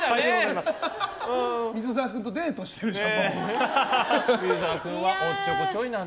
水沢君とデートしてるじゃん。